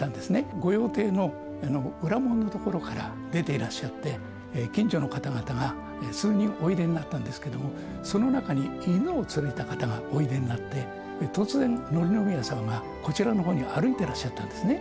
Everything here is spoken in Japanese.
御用邸の裏門の所から出ていらっしゃって、近所の方々が数人おいでになったんですけれども、その中に犬を連れた方がおいでになって、突然、紀宮さまがこちらのほうに歩いてらっしゃったんですね。